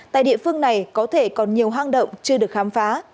tại địa phương này có thể còn nhiều hang động chưa được khám phá